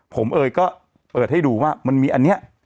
ผมเอ๋ยก็เปิดให้ดูว่ามันมีอันนี้